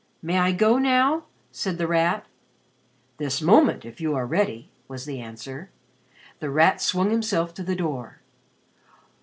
"May I go now?" said The Rat. "This moment, if you are ready," was the answer. The Rat swung himself to the door.